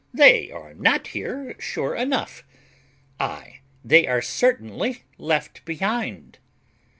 they are not here sure enough. Ay, they are certainly left behind."